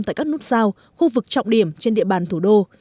tại các nút sao khu vực trọng điểm trên địa bàn thủ đô